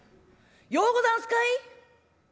ようござんすかい？